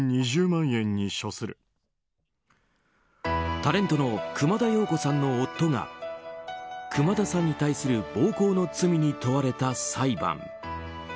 タレントの熊田曜子さんの夫が熊田さんに対する暴行の罪に問われた裁判。